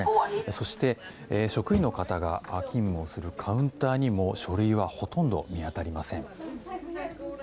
そして、職員の方が勤務をするカウンターにも書類はほとんど見当たりません。